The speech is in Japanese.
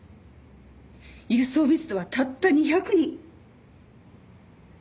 輸送密度はたった２００人。